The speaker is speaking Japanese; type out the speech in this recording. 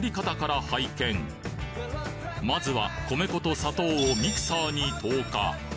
まずは米粉と砂糖をミキサーに投下